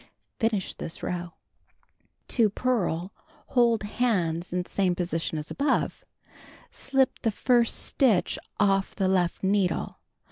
Cut 3. Finish this row. To purl, hold hand in same position as above. Slip the first stitch off the left needle.